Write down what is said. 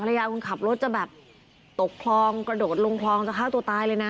ยาคุณขับรถจะแบบตกคลองกระโดดลงคลองจะฆ่าตัวตายเลยนะ